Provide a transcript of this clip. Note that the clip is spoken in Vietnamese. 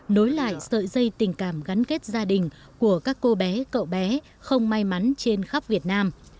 nối lại sợi dây tình cảm gắn kết gia đình của các cô bé cậu bé không may mắn trên khắp việt nam